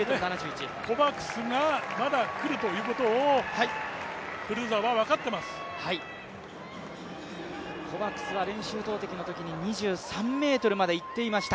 コバクスがまだ来るということをクルーザーは分かってます。